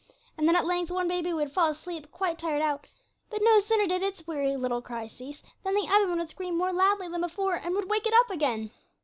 And then at length, one baby would fall asleep quite tired out, but no sooner did its weary little cry cease than the other one would scream more loudly than before, and would wake it up again.